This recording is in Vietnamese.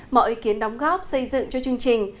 mọi ý kiến đóng góp xây dựng cho chương trình